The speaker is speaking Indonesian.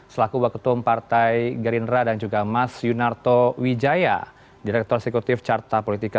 selaku waketum partai gerindra dan juga mas yunarto wijaya direktur eksekutif carta politika